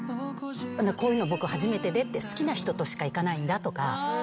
こういうの僕初めてでって好きな人としか行かないんだとか。